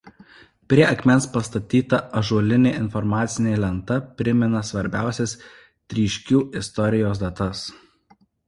Prie akmens pastatyta ąžuolinė informacinė lenta primena svarbiausias Tryškių istorijos datas.